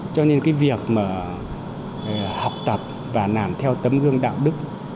cho nên cái việc mà học tập và làm theo tấm gương đạo đức